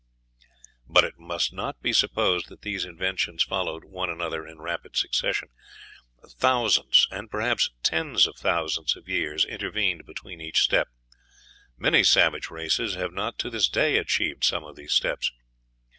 But it must not be supposed that these inventions followed one another in rapid succession. Thousands, and perhaps tens of thousands, of years intervened between each step; many savage races have not to this day achieved some of these steps.